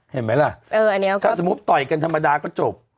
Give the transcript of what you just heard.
เห็นไหมล่ะถ้าสมมุติต่อยกันธรรมดาก็จบ